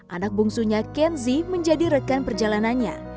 anak bungsunya kenzi menjadi rekan perjalanannya